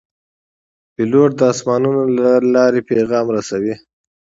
پیلوټ د آسمانونو له لارې پیغام رسوي.